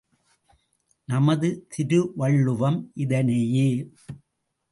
நமது திருவள்ளுவம் இதனையே.